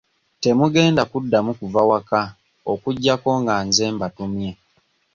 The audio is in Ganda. Temugenda kuddamu kuva waka okuggyako nga nze mbatumye.